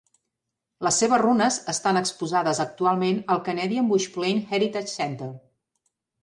Les seves runes estan exposades actualment al Canadian Bushplane Heritage Centre.